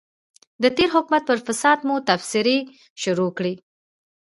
د تېر حکومت پر فساد مو تبصرې شروع کړې.